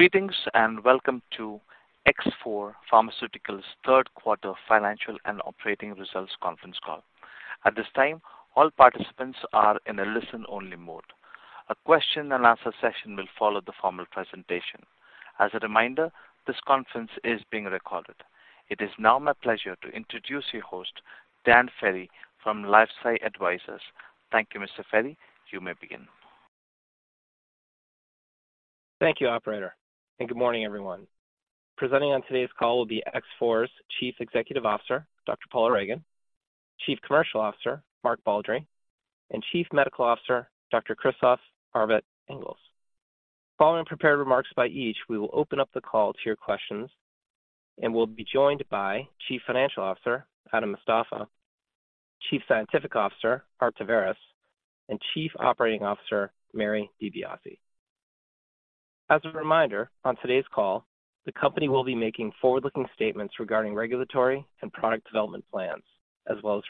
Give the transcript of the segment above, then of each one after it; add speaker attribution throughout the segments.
Speaker 1: Greetings, and welcome to X4 Pharmaceuticals' Third Quarter Financial and Operating Results Conference Call. At this time, all participants are in a listen-only mode. A question-and-answer session will follow the formal presentation. As a reminder, this conference is being recorded. It is now my pleasure to introduce your host, Dan Ferry, from LifeSci Advisors. Thank you, Mr. Ferry. You may begin.
Speaker 2: Thank you, operator, and good morning, everyone. Presenting on today's call will be X4's Chief Executive Officer, Dr. Paula Ragan; Chief Commercial Officer, Mark Baldry; and Chief Medical Officer, Dr. Christophe Arbet-Engels. Following prepared remarks by each, we will open up the call to your questions and we'll be joined by Chief Financial Officer, Adam Mostafa; Chief Scientific Officer, Art Taveras; and Chief Operating Officer, Mary DiBiase. As a reminder, on today's call, the company will be making forward-looking statements regarding regulatory and product development plans, as well as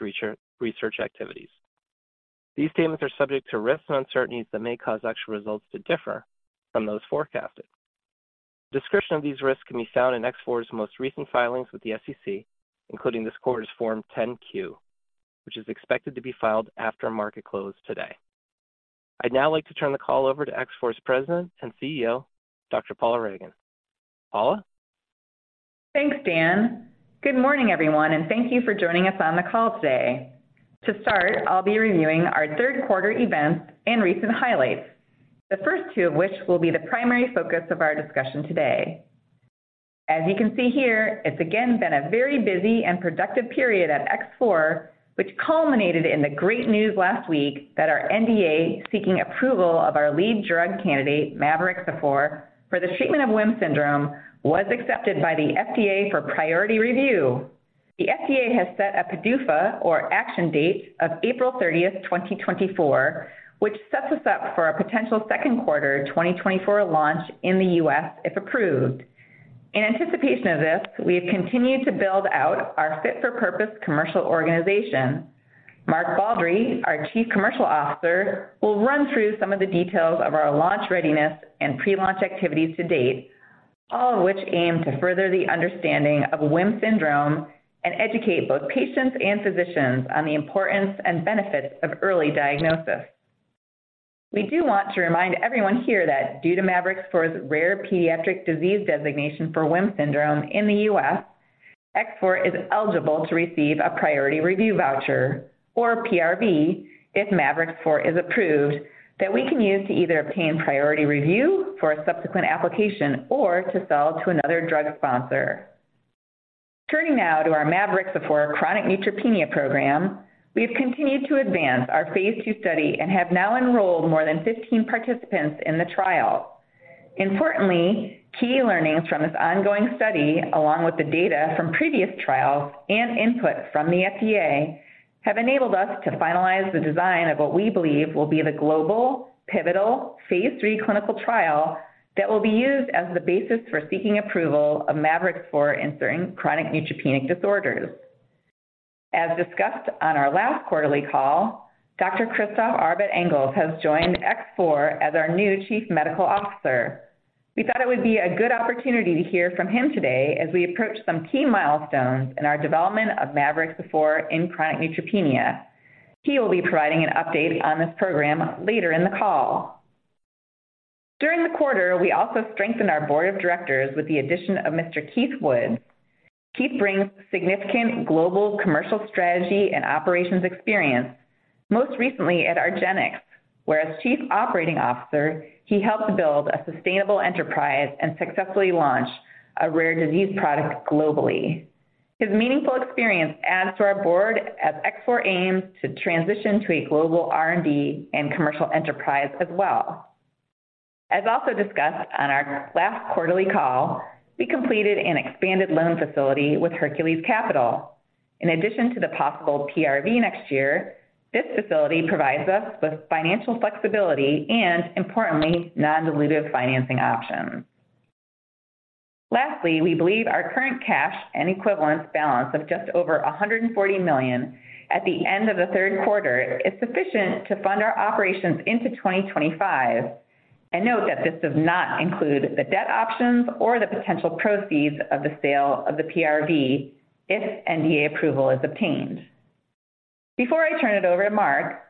Speaker 2: research activities. These statements are subject to risks and uncertainties that may cause actual results to differ from those forecasted. A description of these risks can be found in X4's most recent filings with the SEC, including this quarter's Form 10-Q, which is expected to be filed after market close today. I'd now like to turn the call over to X4's President and CEO, Dr. Paula Ragan. Paula?
Speaker 3: Thanks, Dan. Good morning, everyone, and thank you for joining us on the call today. To start, I'll be reviewing our third quarter events and recent highlights, the first two of which will be the primary focus of our discussion today. As you can see here, it's again been a very busy and productive period at X4, which culminated in the great news last week that our NDA, seeking approval of our lead drug candidate, mavorixafor, for the treatment of WHIM syndrome, was accepted by the FDA for priority review. The FDA has set a PDUFA, or action date, of April 30th, 2024, which sets us up for a potential second quarter 2024 launch in the U.S., if approved. In anticipation of this, we have continued to build out our fit-for-purpose commercial organization. Mark Baldry, our Chief Commercial Officer, will run through some of the details of our launch readiness and pre-launch activities to date, all of which aim to further the understanding of WHIM syndrome and educate both patients and physicians on the importance and benefits of early diagnosis. We do want to remind everyone here that due to mavorixafor's rare pediatric disease designation for WHIM syndrome in the U.S., X4 is eligible to receive a priority review voucher, or PRV, if mavorixafor is approved, that we can use to either obtain priority review for a subsequent application or to sell to another drug sponsor. Turning now to our mavorixafor chronic neutropenia program, we've continued to advance our phase II study and have now enrolled more than 15 participants in the trial. Importantly, key learnings from this ongoing study, along with the data from previous trials and input from the FDA, have enabled us to finalize the design of what we believe will be the global pivotal phase III clinical trial that will be used as the basis for seeking approval of mavorixafor in certain chronic neutropenic disorders. As discussed on our last quarterly call, Dr. Christophe Arbet-Engels has joined X4 as our new Chief Medical Officer. We thought it would be a good opportunity to hear from him today as we approach some key milestones in our development of mavorixafor in chronic neutropenia. He will be providing an update on this program later in the call. During the quarter, we also strengthened our Board of Directors with the addition of Mr. Keith Woods. Keith brings significant global commercial strategy and operations experience, most recently at argenx, where as Chief Operating Officer, he helped build a sustainable enterprise and successfully launch a rare disease product globally. His meaningful experience adds to our Board as X4 aims to transition to a global R&D and commercial enterprise as well. As also discussed on our last quarterly call, we completed an expanded loan facility with Hercules Capital. In addition to the possible PRV next year, this facility provides us with financial flexibility and, importantly, non-dilutive financing options. Lastly, we believe our current cash and equivalence balance of just over $140 million at the end of the third quarter is sufficient to fund our operations into 2025. Note that this does not include the debt options or the potential proceeds of the sale of the PRV if NDA approval is obtained. Before I turn it over to Mark,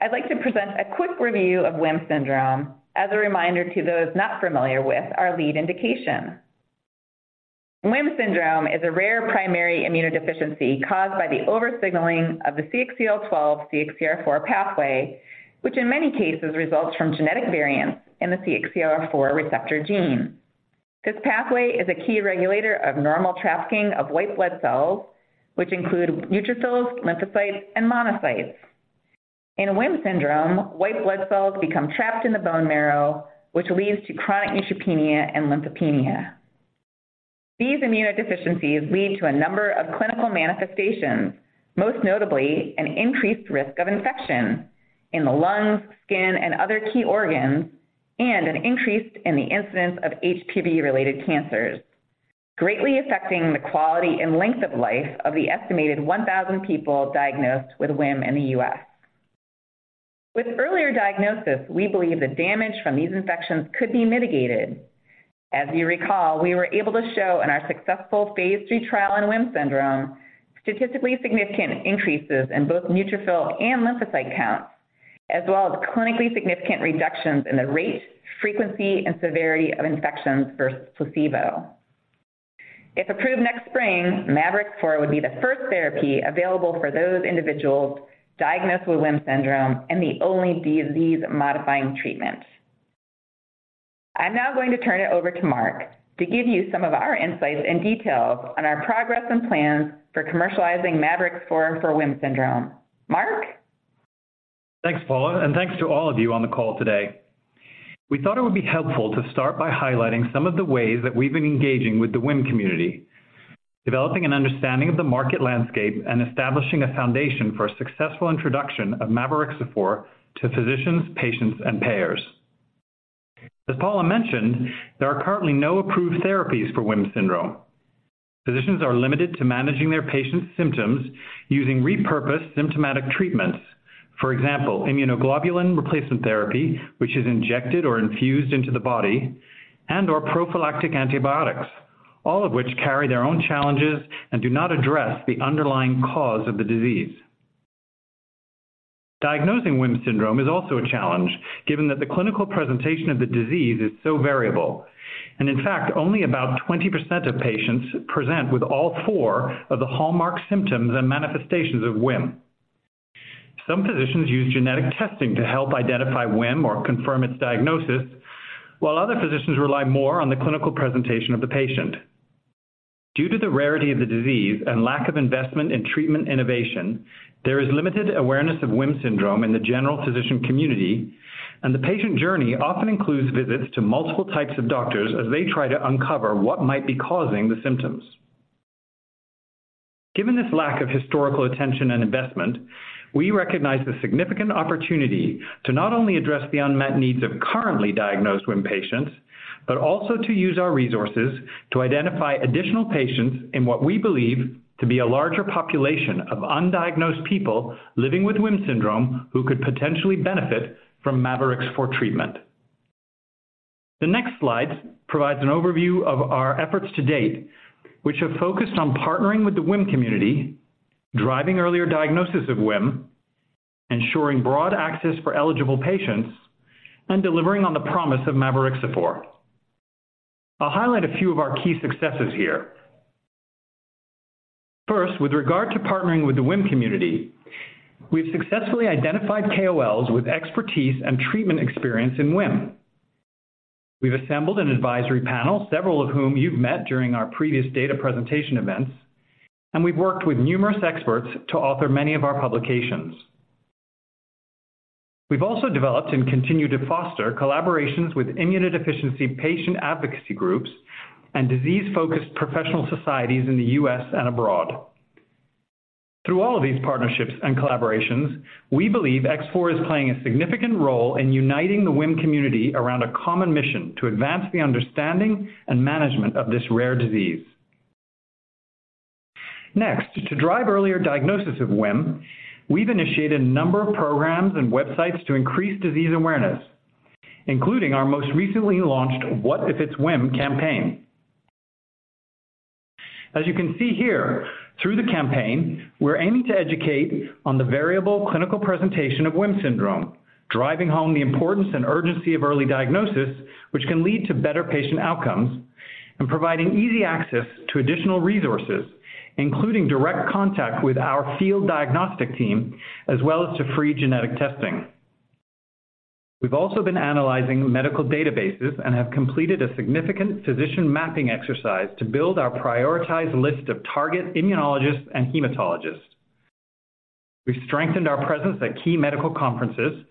Speaker 3: I'd like to present a quick review of WHIM Syndrome as a reminder to those not familiar with our lead indication. WHIM Syndrome is a rare primary immunodeficiency caused by the over-signaling of the CXCL12/CXCR4 pathway, which in many cases results from genetic variants in the CXCR4 receptor gene. This pathway is a key regulator of normal trafficking of white blood cells, which include neutrophils, lymphocytes, and monocytes. In WHIM Syndrome, white blood cells become trapped in the bone marrow, which leads to chronic neutropenia and lymphopenia. These immunodeficiencies lead to a number of clinical manifestations, most notably an increased risk of infection in the lungs, skin, and other key organs, and an increase in the incidence of HPV-related cancers, greatly affecting the quality and length of life of the estimated 1,000 people diagnosed with WHIM in the U.S. With earlier diagnosis, we believe the damage from these infections could be mitigated. As you recall, we were able to show in our successful phase III trial on WHIM syndrome, statistically significant increases in both neutrophil and lymphocyte counts, as well as clinically significant reductions in the rate, frequency, and severity of infections versus placebo. If approved next spring, mavorixafor would be the first therapy available for those individuals diagnosed with WHIM syndrome and the only disease-modifying treatment. I'm now going to turn it over to Mark to give you some of our insights and details on our progress and plans for commercializing mavorixafor for WHIM syndrome. Mark?
Speaker 4: Thanks, Paula, and thanks to all of you on the call today. We thought it would be helpful to start by highlighting some of the ways that we've been engaging with the WHIM community, developing an understanding of the market landscape, and establishing a foundation for a successful introduction of mavorixafor to physicians, patients, and payers. As Paula mentioned, there are currently no approved therapies for WHIM syndrome. Physicians are limited to managing their patients' symptoms using repurposed symptomatic treatments. For example, immunoglobulin replacement therapy, which is injected or infused into the body, and/or prophylactic antibiotics, all of which carry their own challenges and do not address the underlying cause of the disease. Diagnosing WHIM syndrome is also a challenge, given that the clinical presentation of the disease is so variable, and in fact, only about 20% of patients present with all four of the hallmark symptoms and manifestations of WHIM. Some physicians use genetic testing to help identify WHIM or confirm its diagnosis, while other physicians rely more on the clinical presentation of the patient. Due to the rarity of the disease and lack of investment in treatment innovation, there is limited awareness of WHIM syndrome in the general physician community, and the patient journey often includes visits to multiple types of doctors as they try to uncover what might be causing the symptoms. Given this lack of historical attention and investment, we recognize the significant opportunity to not only address the unmet needs of currently diagnosed WHIM patients, but also to use our resources to identify additional patients in what we believe to be a larger population of undiagnosed people living with WHIM syndrome who could potentially benefit from mavorixafor treatment. The next slide provides an overview of our efforts to date, which have focused on partnering with the WHIM community, driving earlier diagnosis of WHIM, ensuring broad access for eligible patients, and delivering on the promise of mavorixafor. I'll highlight a few of our key successes here. First, with regard to partnering with the WHIM community, we've successfully identified KOLs with expertise and treatment experience in WHIM. We've assembled an advisory panel, several of whom you've met during our previous data presentation events, and we've worked with numerous experts to author many of our publications. We've also developed and continue to foster collaborations with immunodeficiency patient advocacy groups and disease-focused professional societies in the U.S. and abroad. Through all of these partnerships and collaborations, we believe X4 is playing a significant role in uniting the WHIM community around a common mission to advance the understanding and management of this rare disease. Next, to drive earlier diagnosis of WHIM, we've initiated a number of programs and websites to increase disease awareness, including our most recently launched "What If It's WHIM?" campaign. As you can see here, through the campaign, we're aiming to educate on the variable clinical presentation of WHIM syndrome, driving home the importance and urgency of early diagnosis, which can lead to better patient outcomes, and providing easy access to additional resources, including direct contact with our field diagnostic team, as well as to free genetic testing. We've also been analyzing medical databases and have completed a significant physician mapping exercise to build our prioritized list of target immunologists and hematologists. We've strengthened our presence at key medical conferences,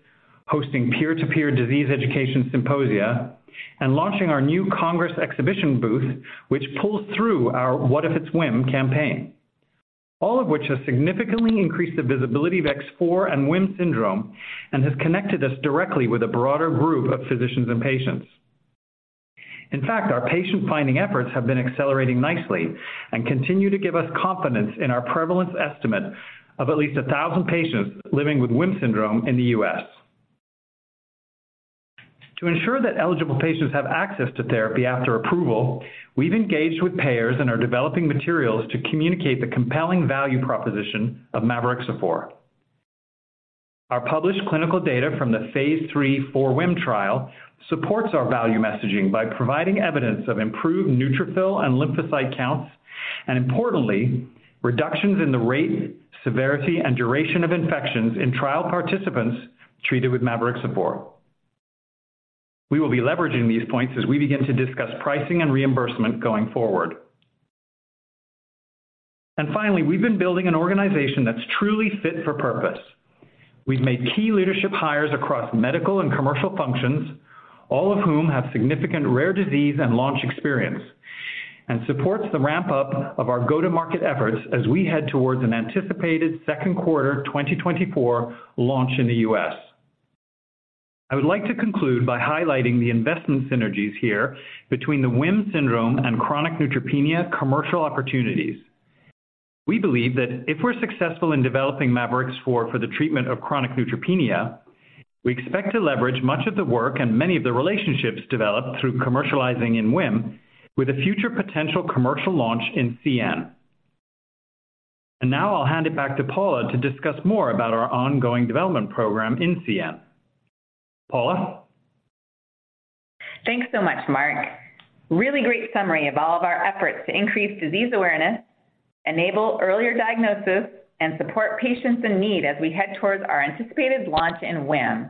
Speaker 4: hosting peer-to-peer disease education symposia, and launching our new Congress exhibition booth, which pulls through our "What if It's WHIM?" campaign, all of which has significantly increased the visibility of X4 and WHIM syndrome and has connected us directly with a broader group of physicians and patients. In fact, our patient-finding efforts have been accelerating nicely and continue to give us confidence in our prevalence estimate of at least 1,000 patients living with WHIM syndrome in the U.S. To ensure that eligible patients have access to therapy after approval, we've engaged with payers and are developing materials to communicate the compelling value proposition of mavorixafor. Our published clinical data from the phase III 4WHIM trial supports our value messaging by providing evidence of improved neutrophil and lymphocyte counts, and importantly, reductions in the rate, severity, and duration of infections in trial participants treated with mavorixafor. We will be leveraging these points as we begin to discuss pricing and reimbursement going forward. Finally, we've been building an organization that's truly fit for purpose. We've made key leadership hires across medical and commercial functions, all of whom have significant rare disease and launch experience, and supports the ramp-up of our go-to-market efforts as we head towards an anticipated second quarter 2024 launch in the U.S. I would like to conclude by highlighting the investment synergies here between the WHIM syndrome and chronic neutropenia commercial opportunities. We believe that if we're successful in developing mavorixafor for the treatment of chronic neutropenia, we expect to leverage much of the work and many of the relationships developed through commercializing in WHIM with a future potential commercial launch in CN. And now I'll hand it back to Paula to discuss more about our ongoing development program in CN. Paula?
Speaker 3: Thanks so much, Mark. Really great summary of all of our efforts to increase disease awareness, enable earlier diagnosis, and support patients in need as we head towards our anticipated launch in WHIM.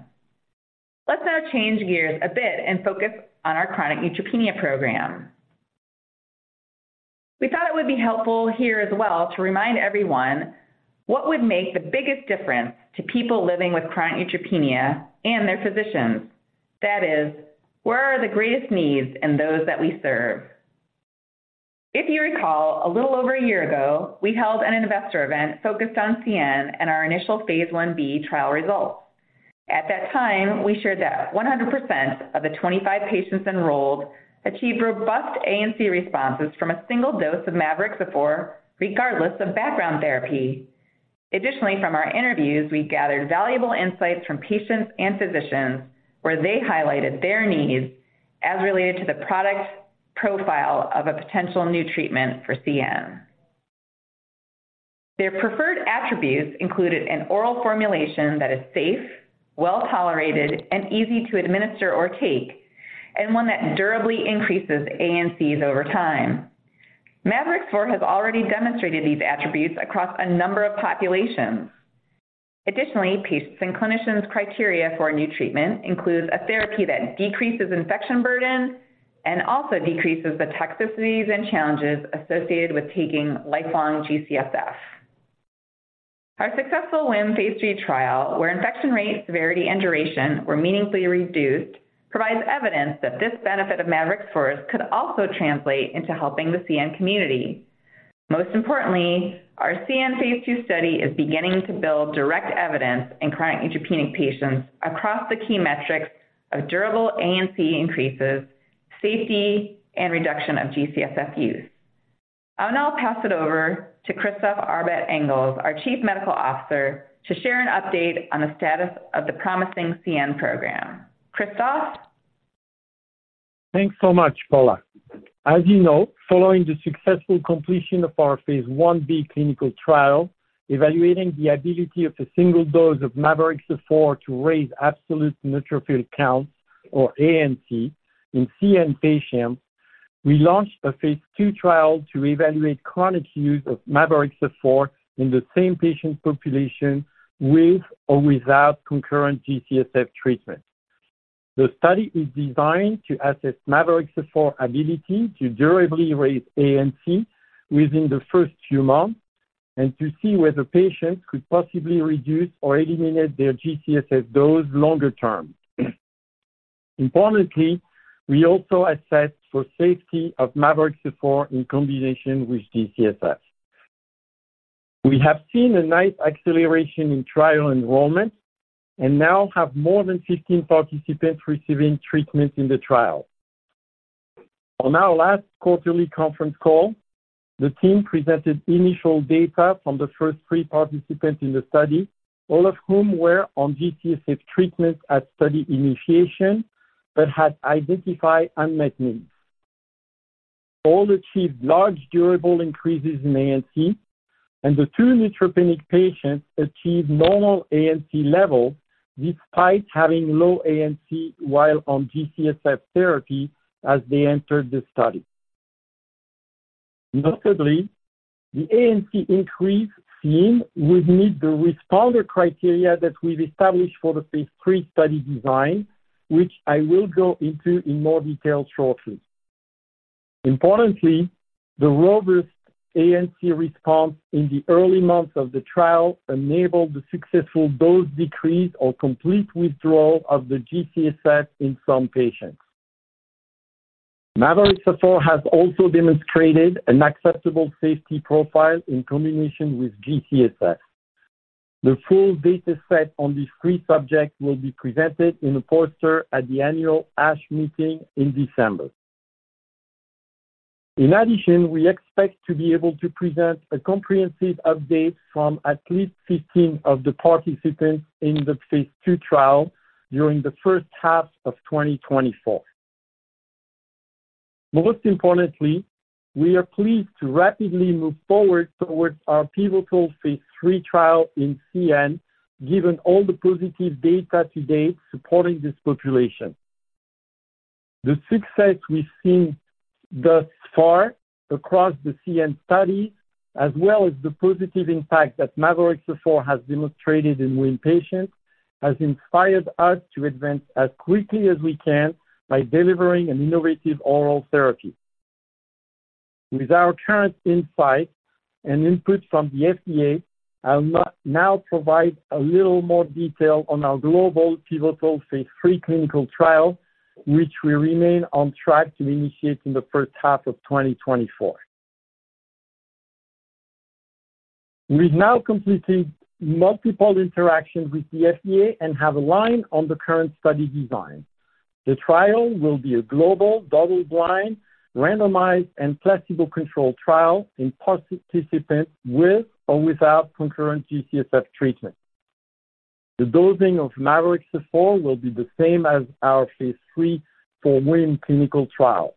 Speaker 3: Let's now change gears a bit and focus on our chronic neutropenia program. We thought it would be helpful here as well to remind everyone what would make the biggest difference to people living with chronic neutropenia and their physicians. That is, where are the greatest needs in those that we serve? If you recall, a little over a year ago, we held an investor event focused on CN and our initial phase I-B trial results. At that time, we shared that 100% of the 25 patients enrolled achieved robust ANC responses from a single dose of mavorixafor, regardless of background therapy. Additionally, from our interviews, we gathered valuable insights from patients and physicians, where they highlighted their needs as related to the product profile of a potential new treatment for CN. Their preferred attributes included an oral formulation that is safe, well-tolerated, and easy to administer or take, and one that durably increases ANCs over time. Mavorixafor has already demonstrated these attributes across a number of populations. Additionally, patients and clinicians' criteria for a new treatment includes a therapy that decreases infection burden and also decreases the toxicities and challenges associated with taking lifelong G-CSF. Our successful WHIM phase III trial, where infection rate, severity, and duration were meaningfully reduced, provides evidence that this benefit of mavorixafor could also translate into helping the CN community. Most importantly, our CN phase II study is beginning to build direct evidence in chronic neutropenic patients across the key metrics of durable ANC increases, safety, and reduction of G-CSF use. I'll now pass it over to Christophe Arbet-Engels, our Chief Medical Officer, to share an update on the status of the promising CN program. Christophe?
Speaker 5: Thanks so much, Paula. As you know, following the successful completion of our phase I-B clinical trial, evaluating the ability of a single dose of mavorixafor to raise absolute neutrophil counts, or ANC, in CN patients, we launched a phase II trial to evaluate chronic use of mavorixafor in the same patient population with or without concurrent G-CSF treatment. The study is designed to assess mavorixafor ability to durably raise ANC within the first few months and to see whether patients could possibly reduce or eliminate their G-CSF dose longer term. Importantly, we also assess for safety of mavorixafor in combination with G-CSF. We have seen a nice acceleration in trial enrollment and now have more than 15 participants receiving treatment in the trial. On our last quarterly conference call, the team presented initial data from the first three participants in the study, all of whom were on G-CSF treatment at study initiation but had identified unmet needs. All achieved large, durable increases in ANC, and the two neutropenic patients achieved normal ANC level despite having low ANC while on G-CSF therapy as they entered the study. Notably, the ANC increase seen would meet the responder criteria that we've established for the phase III study design, which I will go into in more detail shortly. Importantly, the robust ANC response in the early months of the trial enabled the successful dose decrease or complete withdrawal of the G-CSF in some patients. Mavorixafor has also demonstrated an acceptable safety profile in combination with G-CSF. The full data set on these three subjects will be presented in a poster at the annual ASH meeting in December. In addition, we expect to be able to present a comprehensive update from at least 15 of the participants in the phase II trial during the first half of 2024. Most importantly, we are pleased to rapidly move forward towards our pivotal phase III trial in CN, given all the positive data to date supporting this population. The success we've seen thus far across the CN study, as well as the positive impact that mavorixafor has demonstrated in WHIM patients, has inspired us to advance as quickly as we can by delivering an innovative oral therapy. With our current insight and input from the FDA, I'll now provide a little more detail on our global pivotal phase III clinical trial, which we remain on track to initiate in the first half of 2024. We've now completed multiple interactions with the FDA and have aligned on the current study design. The trial will be a global, double-blind, randomized, and placebo-controlled trial in participants with or without concurrent G-CSF treatment. The dosing of mavorixafor will be the same as our phase III for WHIM clinical trial.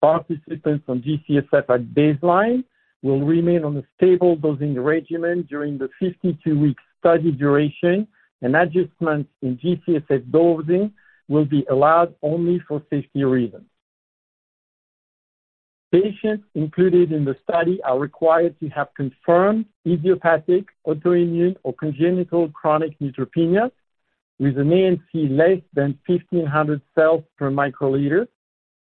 Speaker 5: Participants on G-CSF at baseline will remain on a stable dosing regimen during the 52-week study duration, and adjustments in G-CSF dosing will be allowed only for safety reasons. Patients included in the study are required to have confirmed idiopathic, autoimmune, or congenital chronic neutropenia, with an ANC less than 1,500 cells per microliter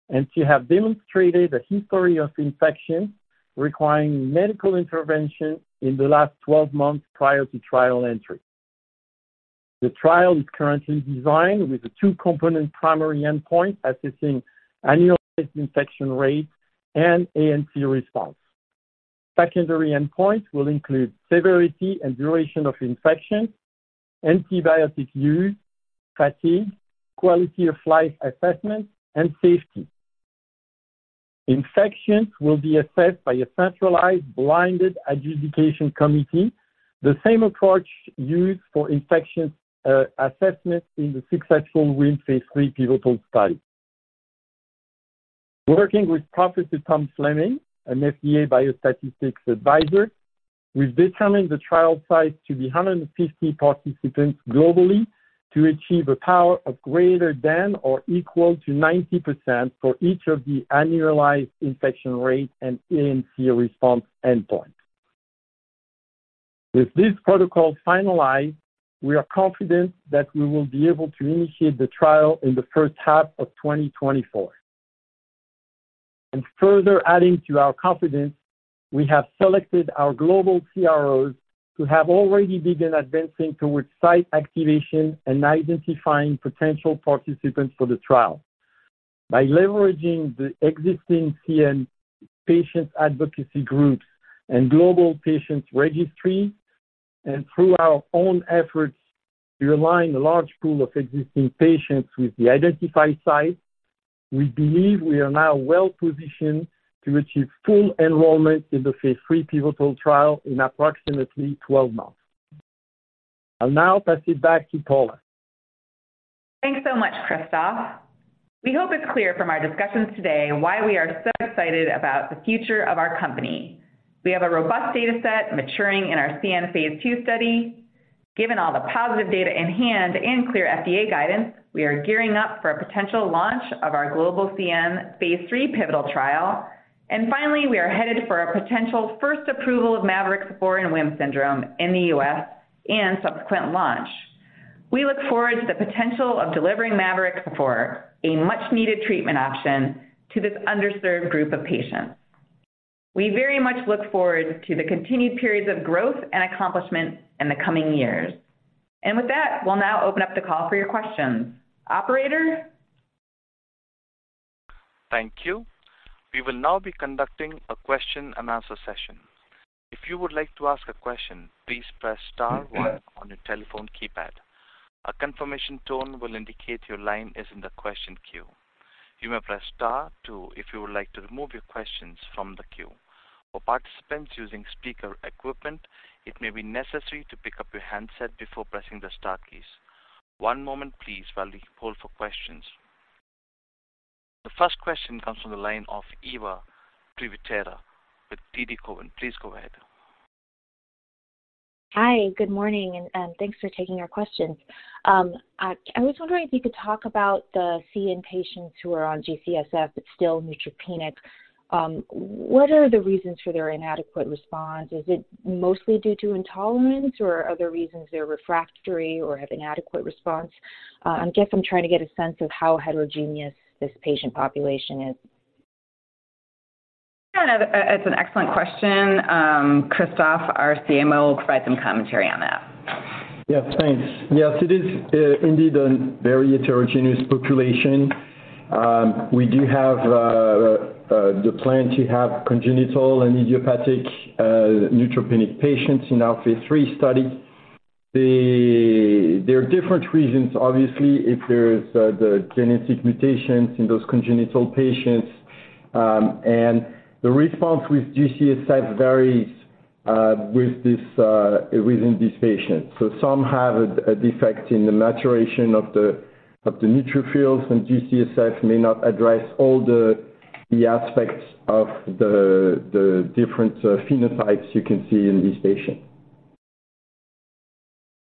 Speaker 5: and to have demonstrated a history of infection requiring medical intervention in the last 12 months prior to trial entry. The trial is currently designed with a two-component primary endpoint, assessing annualized infection rate and ANC response. Secondary endpoints will include severity and duration of infection, antibiotic use, fatigue, quality of life assessment, and safety. Infections will be assessed by a centralized, blinded adjudication committee, the same approach used for infection assessment in the successful WHIM phase III pivotal study. Working with Professor Tom Fleming, an FDA Biostatistics Advisor, we've determined the trial size to be 150 participants globally to achieve a power of greater than or equal to 90% for each of the annualized infection rate and ANC response endpoint. With this protocol finalized, we are confident that we will be able to initiate the trial in the first half of 2024. Further adding to our confidence, we have selected our global CROs, who have already begun advancing towards site activation and identifying potential participants for the trial. By leveraging the existing CN patient advocacy groups and global patient registry, and through our own efforts to align a large pool of existing patients with the identified sites, we believe we are now well positioned to achieve full enrollment in the phase III pivotal trial in approximately 12 months. I'll now pass it back to Paula.
Speaker 3: Thanks so much, Christophe. We hope it's clear from our discussions today why we are so excited about the future of our company. We have a robust data set maturing in our CN phase II study. Given all the positive data in hand and clear FDA guidance, we are gearing up for a potential launch of our global CN phase III pivotal trial. Finally, we are headed for a potential first approval of mavorixafor in WHIM syndrome in the U.S. and subsequent launch. We look forward to the potential of delivering mavorixafor, a much-needed treatment option, to this underserved group of patients. We very much look forward to the continued periods of growth and accomplishment in the coming years. And with that, we'll now open up the call for your questions. Operator?
Speaker 1: Thank you. We will now be conducting a question-and-answer session. If you would like to ask a question, please press star one on your telephone keypad. A confirmation tone will indicate your line is in the question queue. You may press star two if you would like to remove your questions from the queue. For participants using speaker equipment, it may be necessary to pick up your handset before pressing the star keys. One moment please while we hold for questions. The first question comes from the line of Eva Privitera with TD Cowen. Please go ahead.
Speaker 6: Hi, good morning, and, thanks for taking our questions. I, I was wondering if you could talk about the CN patients who are on G-CSF but still neutropenic. What are the reasons for their inadequate response? Is it mostly due to intolerance, or are there reasons they're refractory or have inadequate response? I guess I'm trying to get a sense of how heterogeneous this patient population is.
Speaker 3: Yeah, that's an excellent question. Christophe, our CMO, will provide some commentary on that.
Speaker 5: Yes, thanks. Yes, it is indeed a very heterogeneous population. We do have the plan to have congenital and idiopathic neutropenic patients in our phase III study. There are different reasons, obviously, if there's the genetic mutations in those congenital patients, and the response with G-CSF varies within these patients. So some have a defect in the maturation of the neutrophils, and G-CSF may not address all the aspects of the different phenotypes you can see in these patients.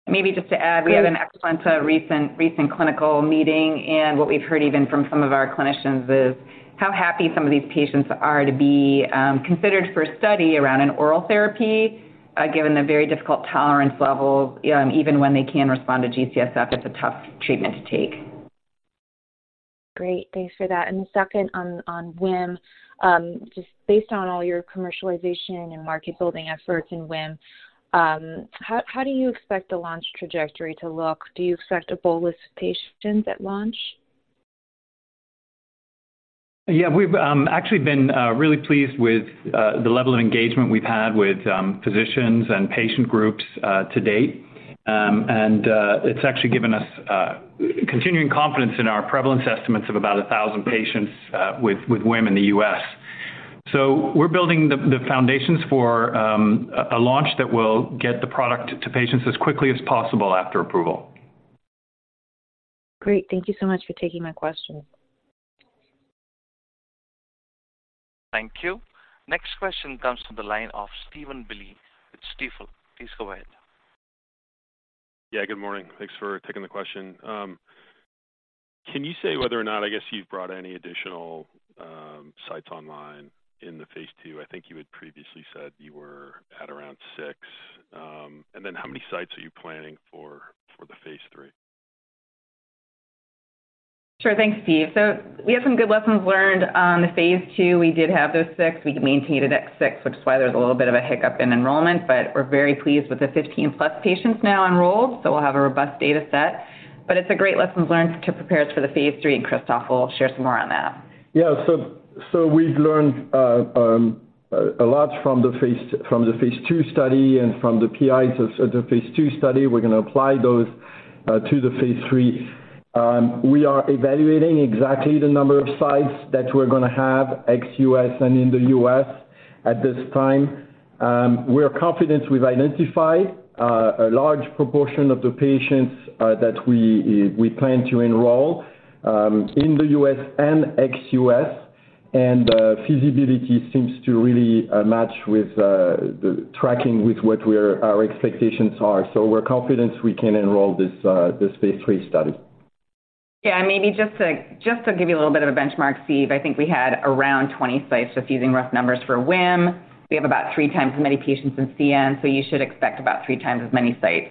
Speaker 3: Maybe just to add, we had an excellent, recent, recent clinical meeting, and what we've heard even from some of our clinicians is how happy some of these patients are to be considered for a study around an oral therapy, given the very difficult tolerance level. Even when they can respond to G-CSF, it's a tough treatment to take.
Speaker 6: Great. Thanks for that and the second on WHIM, just based on all your commercialization and market-building efforts in WHIM, how do you expect the launch trajectory to look? Do you expect a bolus of patients at launch?
Speaker 4: Yeah, we've actually been really pleased with the level of engagement we've had with physicians and patient groups to date. It's actually given us continuing confidence in our prevalence estimates of about 1,000 patients with WHIM in the U.S. So we're building the foundations for a launch that will get the product to patients as quickly as possible after approval.
Speaker 6: Great. Thank you so much for taking my question.
Speaker 1: Thank you. Next question comes from the line of Stephen Willey with Stifel. Please go ahead.
Speaker 7: Yeah, good morning. Thanks for taking the question. Can you say whether or not, I guess, you've brought any additional sites online in the phase II? I think you had previously said you were at around six. Then how many sites are you planning for, for the phase III?
Speaker 3: Sure. Thanks, Steve. So we have some good lessons learned on the phase II. We did have those six, we maintained it at six, which is why there was a little bit of a hiccup in enrollment, but we're very pleased with the 15+ patients now enrolled, so we'll have a robust data set. But it's a great lesson learned to prepare us for the phase III, and Christophe will share some more on that.
Speaker 5: Yeah. So we've learned a lot from the phase II study and from the PIs of the phase II study. We're gonna apply those to the phase III. We are evaluating exactly the number of sites that we're gonna have ex-U.S. and in the U.S. at this time. We are confident we've identified a large proportion of the patients that we plan to enroll in the U.S. and ex-U.S., and feasibility seems to really match with what our expectations are. So we're confident we can enroll this phase III study.
Speaker 3: Yeah, and maybe just to give you a little bit of a benchmark, Steve, I think we had around 20 sites, just using rough numbers for WHIM. We have about three times as many patients in CN, so you should expect about three times as many sites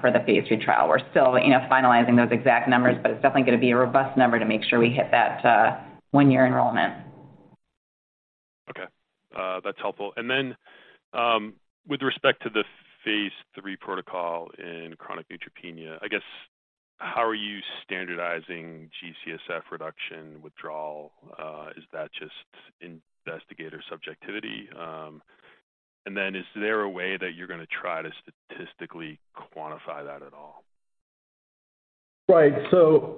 Speaker 3: for the phase III trial. We're still, you know, finalizing those exact numbers, but it's definitely gonna be a robust number to make sure we hit that one-year enrollment.
Speaker 7: Okay, that's helpful. Then, with respect to the phase III protocol in chronic neutropenia, I guess, how are you standardizing G-CSF reduction withdrawal? Is that just investigator subjectivity? And then is there a way that you're gonna try to statistically quantify that at all?
Speaker 5: Right. So,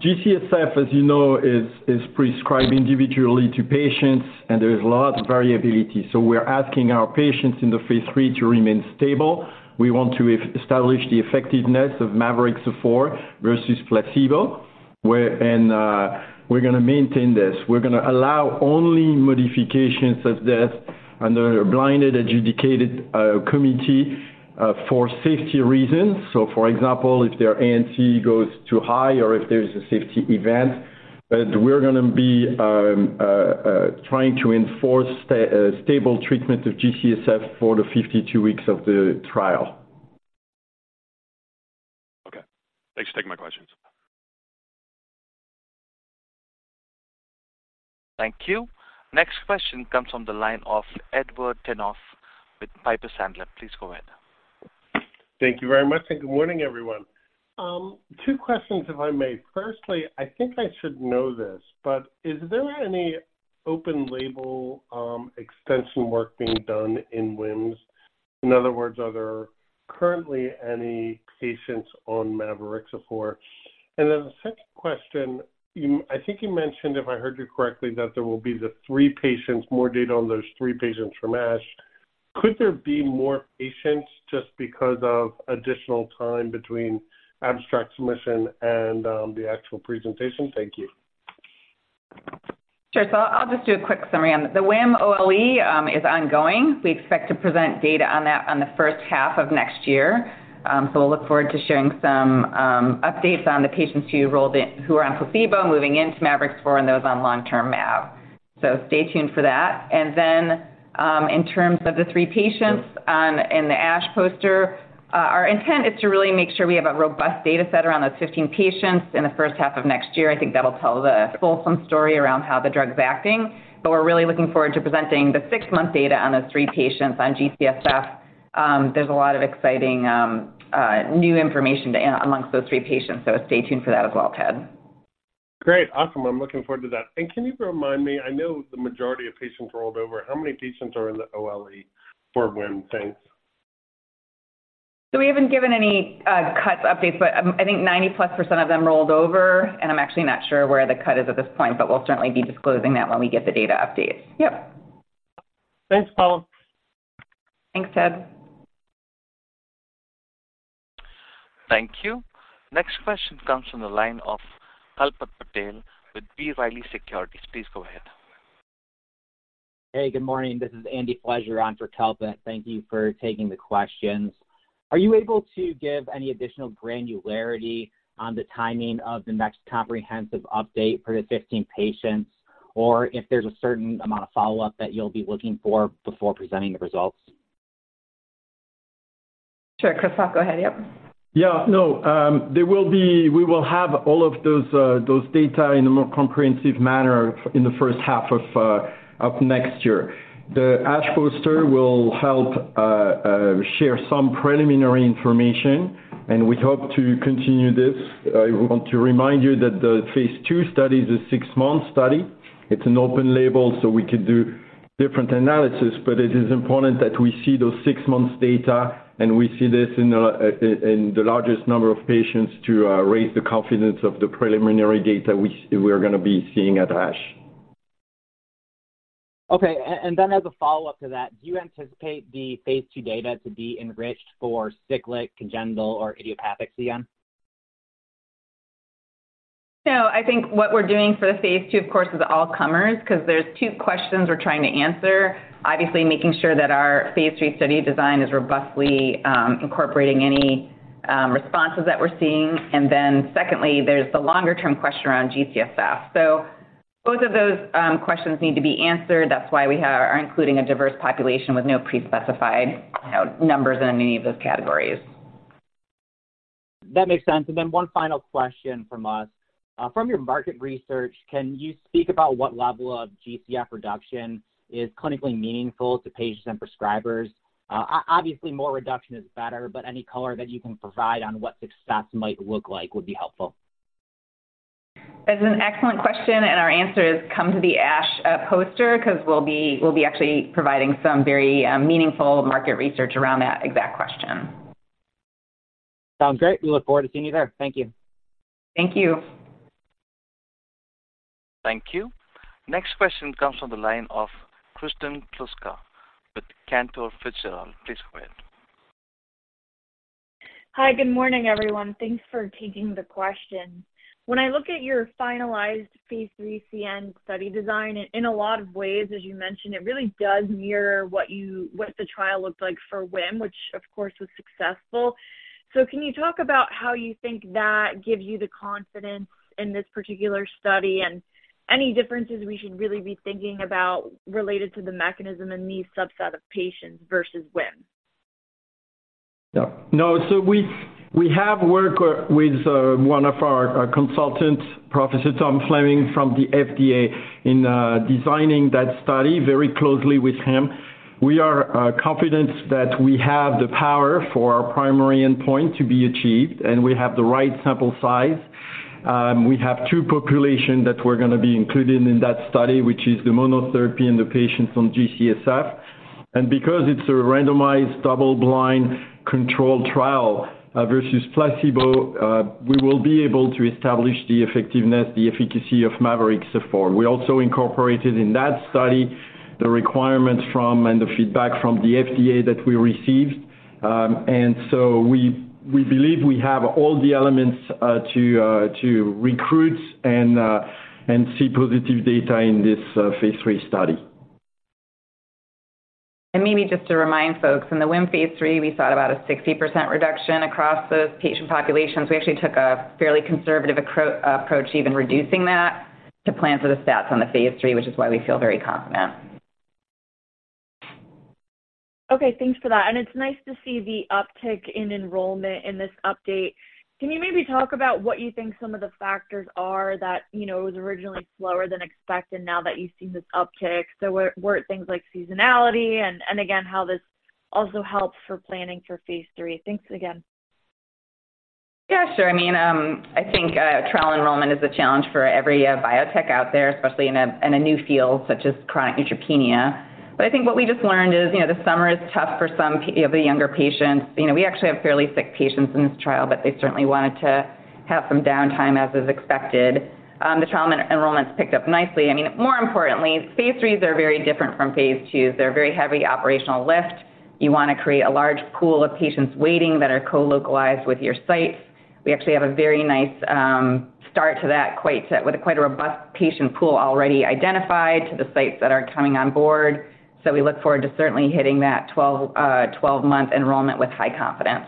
Speaker 5: G-CSF, as you know, is prescribed individually to patients, and there is a lot of variability. So we're asking our patients in the phase III to remain stable. We want to establish the effectiveness of mavorixafor versus placebo, where we're gonna maintain this. We're gonna allow only modifications of this under a blinded, adjudicated committee for safety reasons. So for example, if their ANC goes too high or if there's a safety event, we're gonna be trying to enforce stable treatment of G-CSF for the 52 weeks of the trial.
Speaker 7: Okay. Thanks for taking my questions.
Speaker 1: Thank you. Next question comes from the line of Edward Tenthoff with Piper Sandler. Please go ahead.
Speaker 8: Thank you very much, and good morning, everyone. Two questions, if I may. Firstly, I think I should know this, but is there any open-label extension work being done in WHIMs? In other words, are there currently any patients on mavorixafor? Then the second question, you, I think you mentioned, if I heard you correctly, that there will be the three patients, more data on those three patients from ASH. Could there be more patients just because of additional time between abstract submission and the actual presentation? Thank you.
Speaker 3: Sure. So I'll just do a quick summary on that. The WHIM OLE is ongoing. We expect to present data on that in the first half of next year. So we'll look forward to sharing some updates on the patients who are on placebo, moving into mavorixafor and those on long-term mav. So stay tuned for that. Then, in terms of the three patients in the ASH poster, our intent is to really make sure we have a robust data set around those 15 patients in the first half of next year. I think that'll tell the fulsome story around how the drug's acting, but we're really looking forward to presenting the six-month data on those three patients on G-CSF. There's a lot of exciting new information amongst those three patients, so stay tuned for that as well, Ted.
Speaker 8: Great. Awesome. I'm looking forward to that. Can you remind me, I know the majority of patients rolled over, how many patients are in the OLE for WHIM? Thanks.
Speaker 3: So we haven't given any cut updates, but I think 90%+ of them rolled over, and I'm actually not sure where the cut is at this point, but we'll certainly be disclosing that when we get the data updates. Yep.
Speaker 8: Thanks, Paula.
Speaker 3: Thanks, Ed.
Speaker 1: Thank you. Next question comes from the line of Kalpit Patel with B. Riley Securities. Please go ahead.
Speaker 9: Hey, good morning. This is Andy Fleszar on for Kalpit. Thank you for taking the questions. Are you able to give any additional granularity on the timing of the next comprehensive update for the 15 patients, or if there's a certain amount of follow-up that you'll be looking for before presenting the results?
Speaker 3: Sure, Christophe, go ahead. Yep.
Speaker 5: Yeah, no, there will be... We will have all of those, those data in a more comprehensive manner in the first half of, of next year. The ASH poster will help, share some preliminary information, and we hope to continue this. We want to remind you that the phase II study is a six-month study. It's an open label, so we could do different analysis, but it is important that we see those six months data, and we see this in the, in, the largest number of patients to, raise the confidence of the preliminary data which we are going to be seeing at ASH.
Speaker 9: Okay, and then as a follow-up to that, do you anticipate the phase II data to be enriched for cyclic, congenital, or idiopathic CN?
Speaker 3: No, I think what we're doing for the phase II, of course, is all comers, because there's two questions we're trying to answer. Obviously, making sure that our phase III study design is robustly incorporating any responses that we're seeing. Then secondly, there's the longer-term question around G-CSF. So both of those questions need to be answered. That's why we are including a diverse population with no pre-specified numbers in any of those categories.
Speaker 9: That makes sense and then one final question from us. From your market research, can you speak about what level of G-CSF reduction is clinically meaningful to patients and prescribers? Obviously, more reduction is better, but any color that you can provide on what success might look like would be helpful.
Speaker 3: That's an excellent question, and our answer is come to the ASH poster, 'cause we'll be actually providing some very meaningful market research around that exact question.
Speaker 9: Sounds great. We look forward to seeing you there. Thank you.
Speaker 3: Thank you.
Speaker 1: Thank you. Next question comes from the line of Kristen Kluska with Cantor Fitzgerald. Please go ahead.
Speaker 10: Hi, good morning, everyone. Thanks for taking the question. When I look at your finalized phase III CN study design, in a lot of ways, as you mentioned, it really does mirror what the trial looked like for WHIM, which of course, was successful. So can you talk about how you think that gives you the confidence in this particular study, and any differences we should really be thinking about related to the mechanism in these subset of patients versus WHIM?
Speaker 5: No, so we have worked with one of our consultants, Professor Tom Fleming, from the FDA, in designing that study very closely with him. We are confident that we have the power for our primary endpoint to be achieved, and we have the right sample size. We have two population that we're going to be including in that study, which is the monotherapy and the patients on G-CSF. Because it's a randomized, double-blind, controlled trial versus placebo, we will be able to establish the effectiveness, the efficacy of mavorixafor. We also incorporated in that study the requirements from, and the feedback from, the FDA that we received. So we believe we have all the elements to recruit and see positive data in this phase III study.
Speaker 3: Maybe just to remind folks, in the WHIM phase III, we saw about a 60% reduction across those patient populations. We actually took a fairly conservative approach, even reducing that to plan for the stats on the phase III, which is why we feel very confident.
Speaker 10: Okay, thanks for that and it's nice to see the uptick in enrollment in this update. Can you maybe talk about what you think some of the factors are that, you know, it was originally slower than expected, and now that you've seen this uptick? So was it things like seasonality? And again, how this also helps for planning for phase III. Thanks again.
Speaker 3: Yeah, sure. I mean, I think trial enrollment is a challenge for every biotech out there, especially in a new field such as chronic neutropenia. But I think what we just learned is, you know, the summer is tough for some the younger patients. You know, we actually have fairly sick patients in this trial, but they certainly wanted to have some downtime, as is expected. The trial enrollment's picked up nicely. I mean, more importantly, phase IIIs are very different from phase IIs. They're a very heavy operational lift. You want to create a large pool of patients waiting that are co-localized with your sites. We actually have a very nice start to that with quite a robust patient pool already identified to the sites that are coming on Board. We look forward to certainly hitting that 12, 12-month enrollment with high confidence.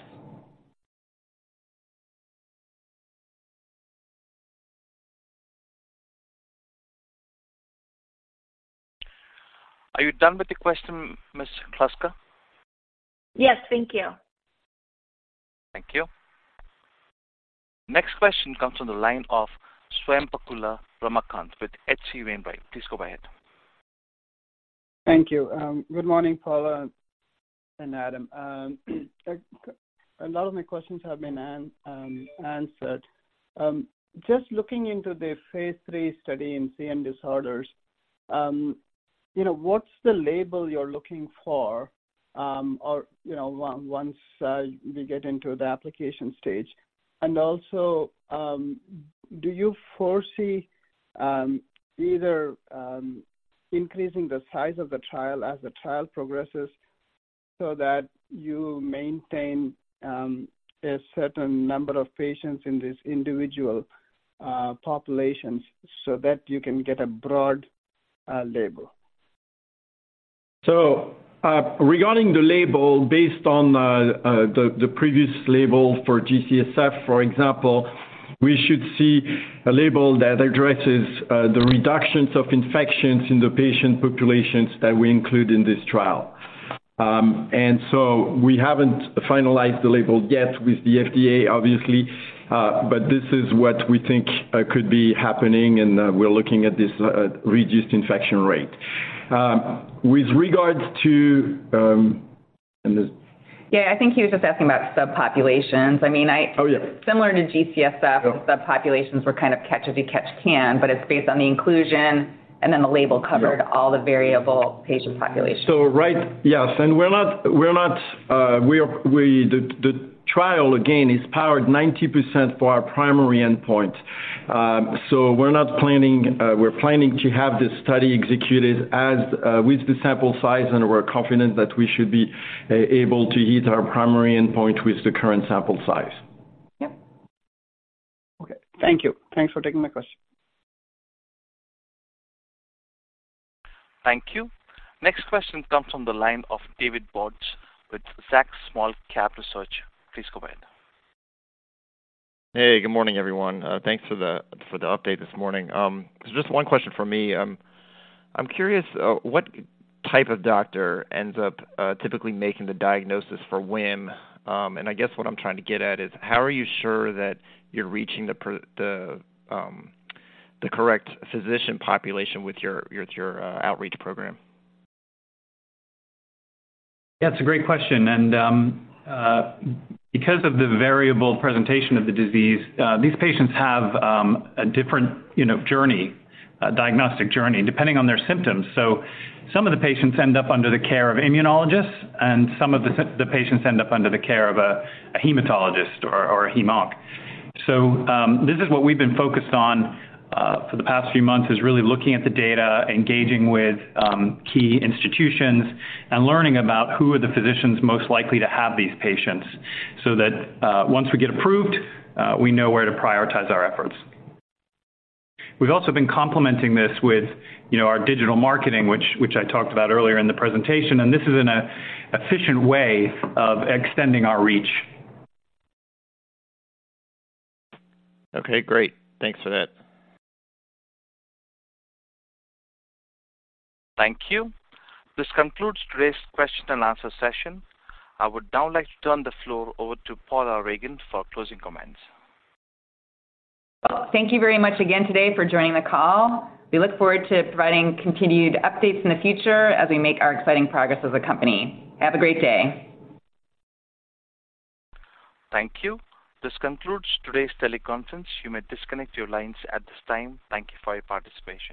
Speaker 5: Are you done with the question, Ms. Kluska?
Speaker 10: Yes. Thank you.
Speaker 1: Thank you. Next question comes from the line of Swayampakula Ramakanth with H.C. Wainwright. Please go ahead.
Speaker 11: Thank you. Good morning, Paula and Adam. A lot of my questions have been answered. Just looking into the phase III study in CN disorders, you know, what's the label you're looking for, or, you know, once we get into the application stage? And also, do you foresee either increasing the size of the trial as the trial progresses so that you maintain a certain number of patients in these individual populations so that you can get a broad label?
Speaker 5: So, regarding the label, based on the previous label for G-CSF, for example, we should see a label that addresses the reductions of infections in the patient populations that we include in this trial. So we haven't finalized the label yet with the FDA, obviously, but this is what we think could be happening, and we're looking at this reduced infection rate. With regards to...
Speaker 3: Yeah, I think he was just asking about subpopulations. I mean, I-
Speaker 5: Oh, yeah.
Speaker 3: Similar to G-CSF, subpopulations were kind of catch as you catch can, but it's based on the inclusion, and then the label covered all the variable patient populations.
Speaker 5: So right. Yes, and the trial, again, is powered 90% for our primary endpoint. So we're planning to have this study executed with the sample size, and we're confident that we should be able to hit our primary endpoint with the current sample size.
Speaker 3: Yep.
Speaker 11: Okay. Thank you. Thanks for taking my question.
Speaker 1: Thank you. Next question comes from the line of David Bautz with Zacks Small-Cap Research. Please go ahead.
Speaker 12: Hey, good morning, everyone. Thanks for the update this morning. Just one question for me. I'm curious what type of doctor ends up typically making the diagnosis for WHIM? And I guess what I'm trying to get at is how are you sure that you're reaching the correct physician population with your outreach program?
Speaker 4: That's a great question. Because of the variable presentation of the disease, these patients have a different, you know, journey, diagnostic journey, depending on their symptoms. So some of the patients end up under the care of immunologists, and some of the patients end up under the care of a hematologist or a hem-onc. So, this is what we've been focused on for the past few months, is really looking at the data, engaging with key institutions, and learning about who are the physicians most likely to have these patients, so that once we get approved, we know where to prioritize our efforts. We've also been complementing this with, you know, our digital marketing, which I talked about earlier in the presentation, and this is an efficient way of extending our reach.
Speaker 12: Okay, great. Thanks for that.
Speaker 1: Thank you. This concludes today's question and answer session. I would now like to turn the floor over to Paula Ragan for closing comments.
Speaker 3: Well, thank you very much again today for joining the call. We look forward to providing continued updates in the future as we make our exciting progress as a company. Have a great day.
Speaker 1: Thank you. This concludes today's teleconference. You may disconnect your lines at this time. Thank you for your participation.